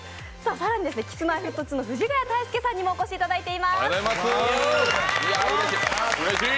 更にＫｉｓ−Ｍｙ−Ｆｔ２の藤ヶ谷太輔さんにもお越しいただいています。